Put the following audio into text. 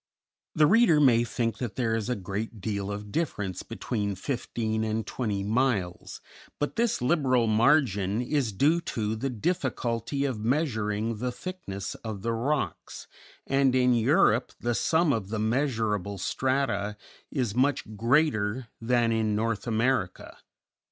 The reader may think that there is a great deal of difference between fifteen and twenty miles, but this liberal margin is due to the difficulty of measuring the thickness of the rocks, and in Europe the sum of the measurable strata is much greater than in North America.